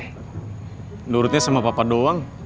menurutnya sama papa doang